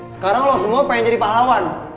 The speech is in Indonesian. sekarang loh semua pengen jadi pahlawan